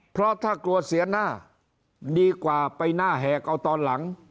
เพราะถ้ากลัวเสียหน้าดีกว่าไปหน้าแหกเอาตอนหลัง